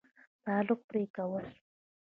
تعلق پرې كول